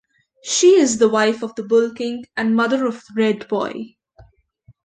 She is the wife of the Bull King and mother of Red Boy.